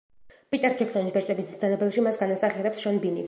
პიტერ ჯექსონის „ბეჭდების მბრძანებელში“ მას განასახიერებს შონ ბინი.